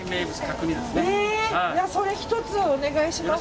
じゃあそれ１つお願いします。